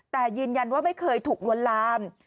แต่ยืนยันว่าไม่เคยถูกลวนลาม